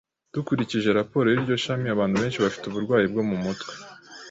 Dukurikije raporo y’iryo shami, abantu benshi bafite uburwayi bwo mu mutwe